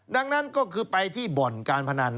ดังนั้นก็คือไปที่บ่อนการพนัน